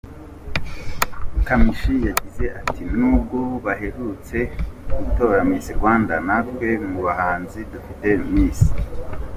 Kamichi yagize ati: “N’ubwo baherutse gutora Miss Rwanda, natwe mu bahanzi dufite Miss.